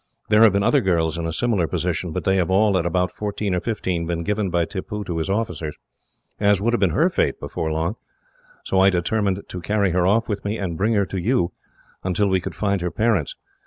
There have been other girls, in a similar position, but they have all, at about fourteen or fifteen, been given by Tippoo to his officers; as would have been her fate, before long, so I determined to carry her off with me, and bring her to you, until we could find her parents.